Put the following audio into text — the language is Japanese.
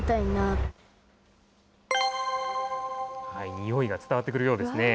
匂いが伝わってくるようですね。